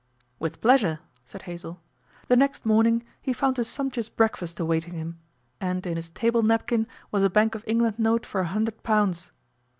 'With pleasure,' said Hazell. The next morning he found a sumptuous breakfast awaiting him, and in his table napkin was a Bank of England note for a hundred pounds.